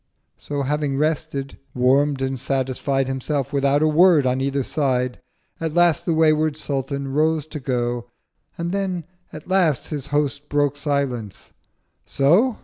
So having rested, warm'd and satisfied Himself without a Word on either side, At last the wayward Sultan rose to go. And then at last his Host broke silence—'So?